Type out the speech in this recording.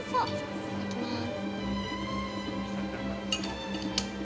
いただきます。